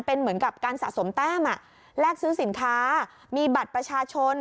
เป็นเหมือนกับการสะสมแต้มแลกซื้อสินค้ามีบัตรประชาชน